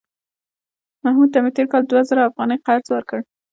محمود ته مې تېر کال دوه زره افغانۍ قرض ورکړ